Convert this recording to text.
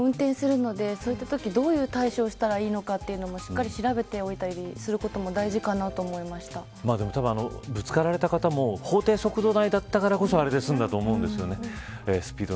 私も運転するのでそういったとき、どういった対処したらいいのかというのもしっかり調べておいたりするのもたぶん、ぶつかられた方も法定速度内だったからこそあれで済んだと思うんです。